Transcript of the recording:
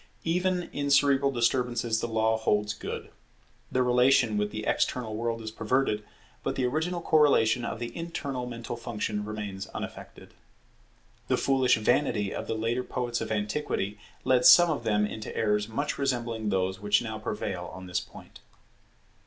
Even in cerebral disturbances the law holds good. The relation with the external world is perverted, but the original correlation of the internal mental functions remains unaffected. The foolish vanity of the later poets of antiquity led some of them into errors much resembling those which now prevail on this point.